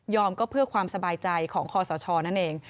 ก็เพื่อความสบายใจของคอสชนั่นเอง